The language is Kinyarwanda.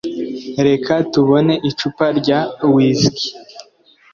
reka tubone icupa rya whisky